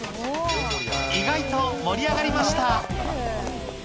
意外と盛り上がりました。